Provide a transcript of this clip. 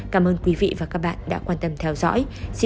cảm ơn quý vị và các bạn đã quan tâm theo dõi